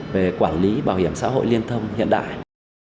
về quản lý bảo hiểm xã hội liên thông hiện đại